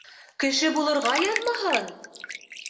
Кеше булырға яҙмаһын!